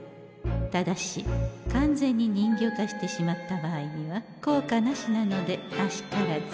ただし完全に人魚化してしまった場合には効果なしなのであしからず。